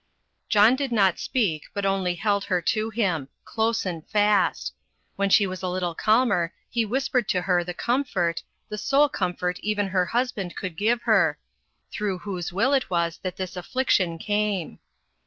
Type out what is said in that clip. John did not speak, but only held her to him close and fast. When she was a little calmer he whispered to her the comfort the sole comfort even her husband could give her through whose will it was that this affliction came.